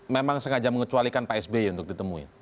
memang sengaja mengecualikan pak sby untuk ditemuin